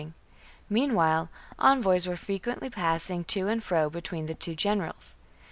ing. Meanwhile envoys were frequently passing to and fro between the two generals.